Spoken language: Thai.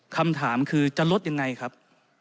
คำถามคือจะลดยังไงครับ